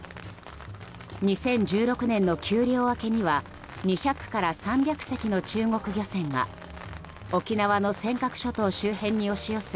２０１６年の休漁明けには２００から３００隻の中国漁船が沖縄の尖閣諸島周辺に押し寄せ